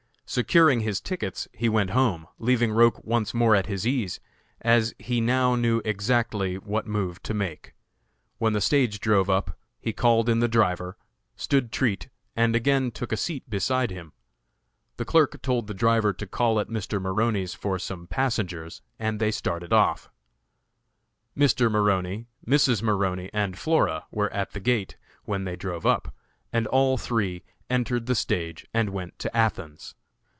Securing his tickets, he went home, leaving Roch once more at his ease, as he now knew exactly what move to make. When the stage drove up, he called in the driver, stood treat, and again took a seat beside him. The clerk told the driver to call at Mr. Maroney's for some passengers, and they started off. Mr. Maroney, Mrs. Maroney and Flora were at the gate when they drove up, and all three entered the stage and went to Athens.